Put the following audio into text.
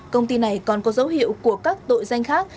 công ty này còn có dấu hiệu của các tội danh khác